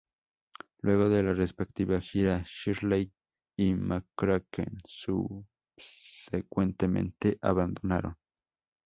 Luego de la respectiva gira, Shirley y McCracken subsecuentemente abandonaron.